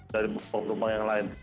dari penumpang yang lain